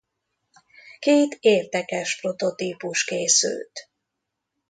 Két érdekes prototípus készült.